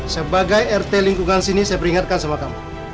sebagai rt lingkungan sini saya peringatkan sama kamu